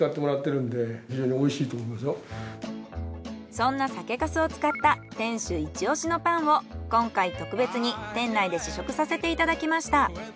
そんな酒粕を使った店主イチオシのパンを今回特別に店内で試食させていただきました。